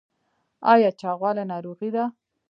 ایا چاغوالی ناروغي ده؟